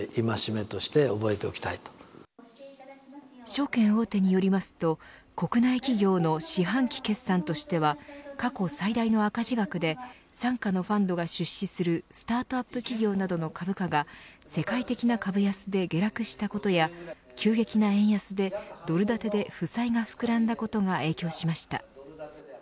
証券大手によりますと国内企業の四半期決算としては過去最大の赤字額で傘下のファンドが出資するスタートアップ企業などの株価が世界的な株安で下落したことや急激な円安でドル建てで負債が膨らんだことが影響しました。